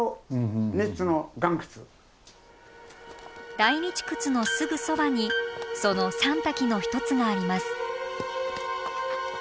大日窟のすぐそばにその三瀧の一つがあります。